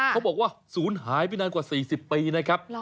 เขาบอกว่าศูนย์หายไปนานกว่า๔๐ปีนะครับ